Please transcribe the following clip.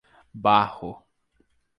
Barro